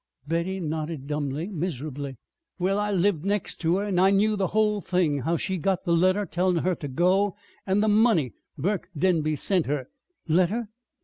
Betty nodded dumbly, miserably. "Well, I lived next to her, and I knew the whole thing how she got the letter tellin' her ter go, an' the money Burke Denby sent her " "Letter!